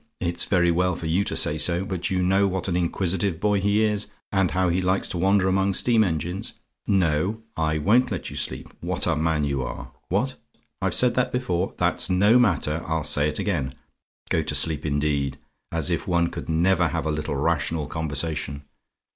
"It's very well for you to say so, but you know what an inquisitive boy he is, and how he likes to wander among steam engines. No, I won't let you sleep. What a man you are! What? "I'VE SAID THAT BEFORE? "That's no matter; I'll say it again. Go to sleep, indeed! as if one could never have a little rational conversation.